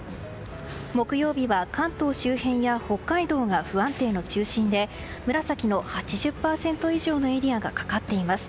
木曜日は関東周辺や北海道が不安定の中心で紫の８０％以上のエリアがかかっています。